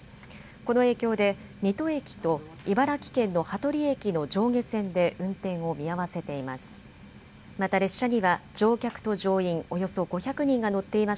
この影響で水戸駅と茨城県の羽鳥駅の上下線で運転を見合わせています。